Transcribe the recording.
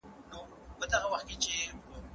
تاسي کله د پښتو په اړه خپله څېړنه خپره کړه؟